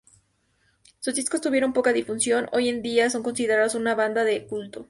Sus discos tuvieron poca difusión; hoy en día son considerados una banda "de culto".